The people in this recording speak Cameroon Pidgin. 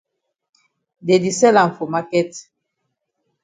Dey di sell am for maket.